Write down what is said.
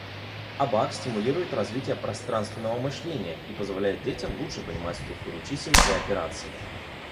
Абак стимулирует развитие пространственного мышления и позволяет детям лучше понимать структуру чисел и операций.